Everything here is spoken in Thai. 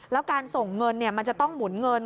แล้วการส่งเงินมันจะต้องหมุนเงิน